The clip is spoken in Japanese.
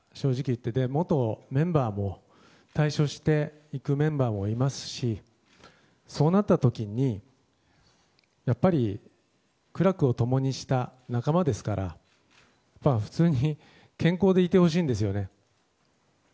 そして、元メンバーも退所していくメンバーもいますしそうなった時にやっぱり苦楽を共にした仲間ですから普通に健康でいてほしいんですよね。